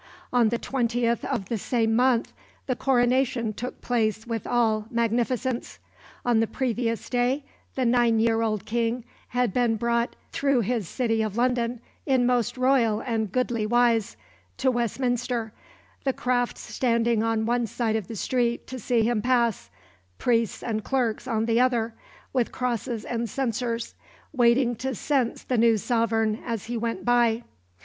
On the 20th of the same month the coronation took place with all magnificence. On the previous day the nine year old King had been brought "through his city of London in most royal and goodly wise" to Westminster, the crafts standing on one side of the streets to see him pass, priests and clerks on the other, with crosses and censers, waiting to cense the new sovereign as he went by.